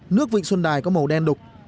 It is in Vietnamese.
nước vịnh xuân đài có màu đen đục